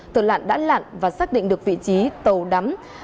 thợ lặn đã lặn và xác định được vị trí tàu đắm